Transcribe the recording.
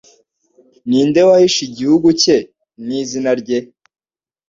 Ninde wahishe igihugu cye n'izina rye